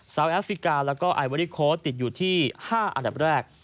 ซาวน์แอฟฟิกาและไอเวอรี่โค้ตติดอยู่ที่๕อันดับแรก